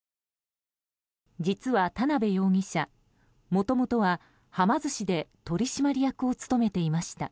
実は田邊容疑者もともとは、はま寿司で取締役を務めていました。